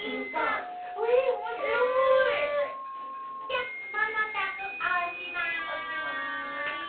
じゃものたくおしまい。